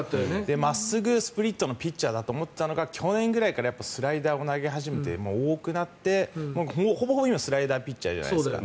真っすぐ、スプリットのピッチャーだと思っていたのが去年ぐらいからスライダーを投げ始めて多くなって、ほぼほぼ今スライダーピッチャーじゃないですか。